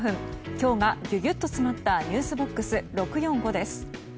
今日がギュギュッと詰まったｎｅｗｓＢＯＸ６４５です。